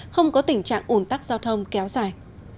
không có tình trạng ủn tắc giao thông kéo dài